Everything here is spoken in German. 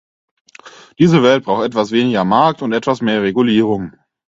Diese Welt braucht etwas weniger Markt und etwas mehr Regulierung.